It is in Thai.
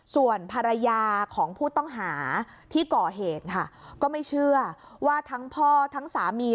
ส่วนภรรยาของผู้ต้องหาที่ก่อเหตุค่ะก็ไม่เชื่อว่าทั้งพ่อทั้งสามี